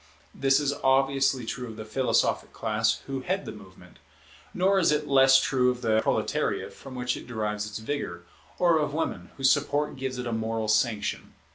This is obviously true of the philosophic class who head the movement; nor is it less true of the proletariate, from whom it derives its vigour, or of women, whose support gives it a moral sanction.